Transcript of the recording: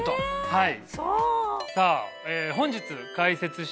はい